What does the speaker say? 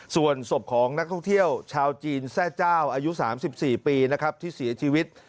ส่วนศพของนักท่องเที่ยวชาวจีนแทร่เจ้าอายุ๓๔ปีนะครับที่เสียชีวิต